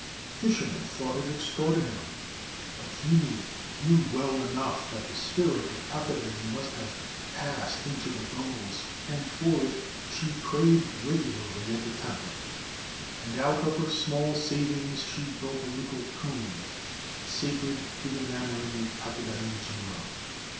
Fishermen thought it extra ordinary ; but Kinu knew well enough that the spirit of Takadai must have passed into the gulls, and for it she prayed regularly at the temple, and out of her small savings built a little tomb sacred to the memory of Takadai Jiro.